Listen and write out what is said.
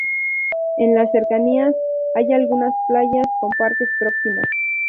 En las cercanías hay algunas playas con parques próximos.